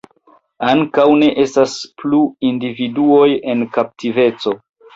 Ankaŭ ne estas plu individuoj en kaptiveco.